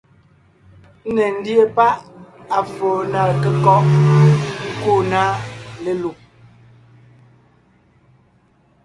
Ńne ńdíe páʼ à foo ná kékɔ́ʼ nkúu na lelùb,